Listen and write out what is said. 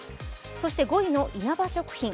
そして５位のいなば食品